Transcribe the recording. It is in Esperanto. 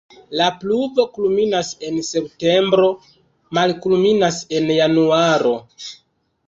La pluvo kulminas en septembro, malkulminas en januaro.